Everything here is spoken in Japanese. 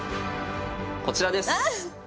こちらです！